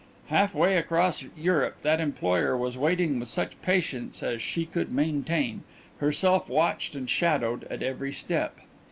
Half way across Europe that employer was waiting with such patience as she could maintain, herself watched and shadowed at every step.